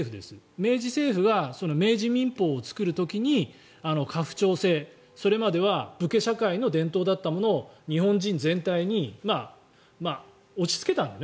明治政府が明治民法を作る時に家父長制、それまでは武家社会の伝統だったものを日本人全体に押しつけたんだよね